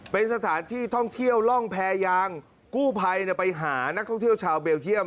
เป็นสถานที่ท่องเที่ยวร่องแพรยางกู้ภัยไปหานักท่องเที่ยวชาวเบลเยี่ยม